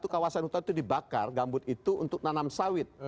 kawasan hutan itu dibakar gambut itu untuk nanam sawit